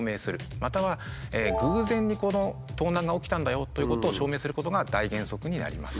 または偶然にこの盗難が起きたんだよということを証明することが大原則になります。